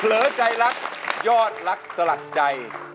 เหลือใจรักยอดรักสลัดใจ